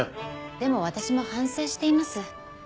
でも私も反省しています。